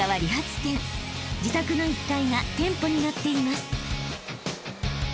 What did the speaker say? ［自宅の１階が店舗になっています］